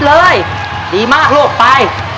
เริ่มครับ